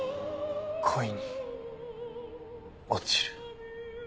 恋に落ちる。